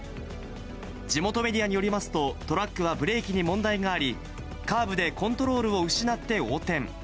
地元メディアによりますと、トラックはブレーキに問題があり、カーブでコントロールを失って横転。